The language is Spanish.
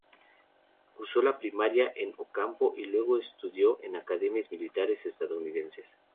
Cursó la primaria en Ocampo y luego estudió en academias militares estadounidenses.